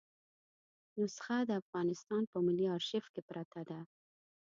نسخه د افغانستان په ملي آرشیف کې پرته ده.